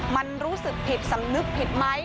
มันรู้สึกผิดสำนึกผิดไหม